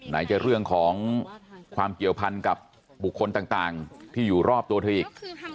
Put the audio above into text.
ไหนจะเรื่องของความเกี่ยวพันกับบุคคลต่างที่อยู่รอบตัวเธออีก